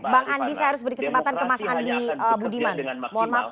bang andi saya harus beri kesempatan ke mas andi budiman mohon maaf